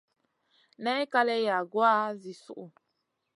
Nay kalèh yagoua zi suʼu.